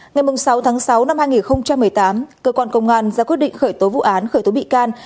ngày sáu tháng sáu năm hai nghìn một mươi tám cơ quan công an ra quyết định khởi tố vụ án khởi tố bị can